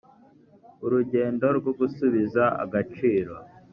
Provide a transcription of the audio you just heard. urugendo rwo gusubiza agaciro